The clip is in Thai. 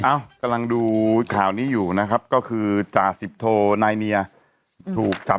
เอ้ากำลังดูข่าวนี้อยู่นะครับก็คือจ่าสิบโทนายเนียถูกจับ